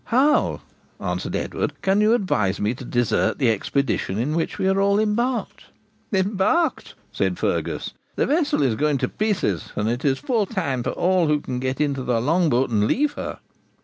'How,' answered Edward, 'can you advise me to desert the expedition in which we are all embarked?' 'Embarked?' said Fergus; 'the vessel is going to pieces, and it is full time for all who can to get into the long boat and leave her.'